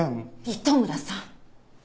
糸村さん！